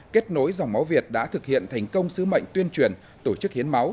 kết nối dòng máu việt đã thực hiện thành công sứ mệnh tuyên truyền tổ chức hiến máu